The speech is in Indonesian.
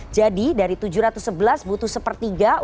jadi dari tujuh ratus sebelas butuh sepertiga untuk mengajukan sidang istimewa